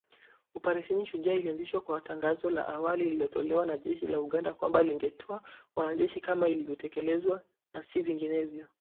Operesheni Shujaa ilianzishwa kwa tangazo la awali lililotolewa na jeshi la Uganda, kwamba lingetoa wanajeshi kama itakavyoelekezwa na si vinginevyo